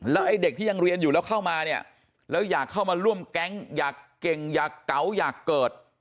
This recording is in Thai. ไอ้เด็กที่ยังเรียนอยู่แล้วเข้ามาเนี่ยแล้วอยากเข้ามาร่วมแก๊งอยากเก่งอยากเก๋าอยากเกิด